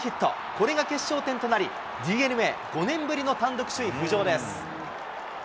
これが決勝点となり、ＤｅＮＡ、５年ぶりの単独首位浮上です。